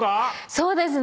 そうですね。